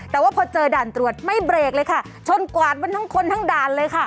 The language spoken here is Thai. แต่ว่าพอเจอด่านตรวจไม่เบรกเลยค่ะชนกวาดมันทั้งคนทั้งด่านเลยค่ะ